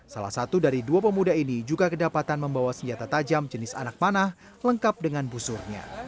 salah satu dari dua pemuda ini juga kedapatan membawa senjata tajam jenis anak panah lengkap dengan busurnya